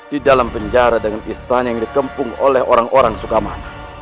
di dalam penjara dengan istana yang dikempung oleh orang orang sukamana